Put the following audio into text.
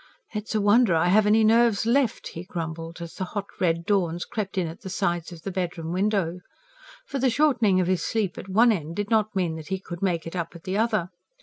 "It's a wonder I have any nerves left," he grumbled, as the hot, red dawns crept in at the sides of the bedroom window. For the shortening of his sleep at one end did not mean that he could make it up at the other.